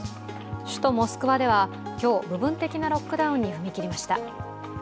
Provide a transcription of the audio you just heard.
首都モスクワでは、今日部分的なロックダウンに踏み切りました。